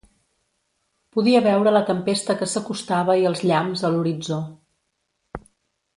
Podia veure la tempesta que s'acostava i els llamps a l'horitzó.